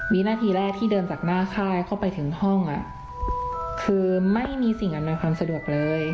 วินาทีแรกที่เดินจากหน้าค่ายเข้าไปถึงห้องคือไม่มีสิ่งอำนวยความสะดวกเลย